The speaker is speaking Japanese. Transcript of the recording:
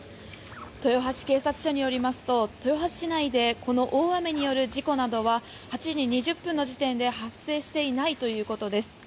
豊橋警察署によりますと豊橋市内でこの大雨による事故などは８時２０分の時点で発生していないということです。